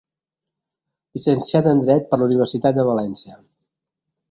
Llicenciada en dret per la Universitat de València.